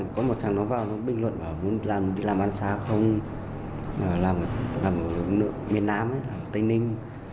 có một thằng đó vào bình luận bảo muốn làm bán xá không làm ở miền nam tây ninh